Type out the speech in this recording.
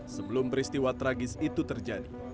sebelum peristiwa tragis itu terjadi